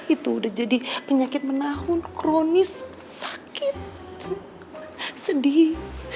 itu udah jadi penyakit menahun kronis sakit sedih